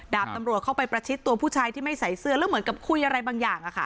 ดาบตำรวจเข้าไปประชิดตัวผู้ชายที่ไม่ใส่เสื้อแล้วเหมือนกับคุยอะไรบางอย่าง